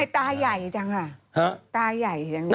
เลยตายยัยจังอะ